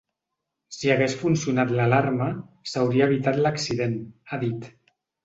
“Si hagués funcionat l’alarma, s’hauria evitat l’accident”, ha dit.